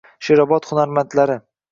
Sherobod hunarmandlari